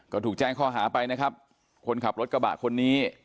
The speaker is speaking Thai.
ก็ถูกแจ้งข้อหาไปนะครับคนขับรถกระบะคนนี้